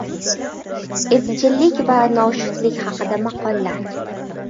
Epchillik va noshudlik haqida maqollar.